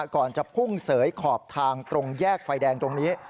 ก่อนจะพุ่งเสยขอบทางตรงแยกไฟแดงตรงนี้